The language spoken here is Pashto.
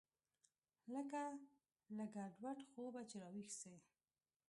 لکه له ګډوډ خوبه چې راويښ سې.